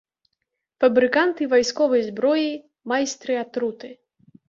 Фабрыканты вайсковай зброі, майстры атруты.